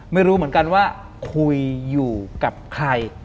ไม่รู้เหมือนกันว่าคุยอยู่กับใคร